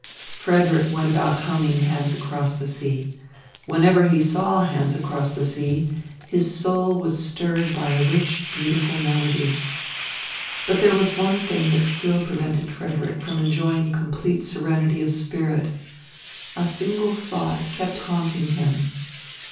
Frederick went about humming "Hands Across the Sea." Whenever he saw "Hands Across the Sea," his soul was stirred by a rich, beautiful melody. But there was one thing that still prevented Frederick from enjoying complete serenity of spirit. A single thought kept haunting him.